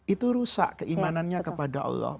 itu rusak keimanannya kepada allah